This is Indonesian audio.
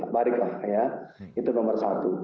baliklah ya itu nomor satu